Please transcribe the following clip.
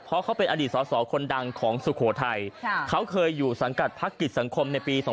เพราะเขาเป็นอดีตสอสอคนดังของสุโขทัยเขาเคยอยู่สังกัดพักกิจสังคมในปี๒๕๖